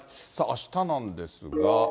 あしたなんですが。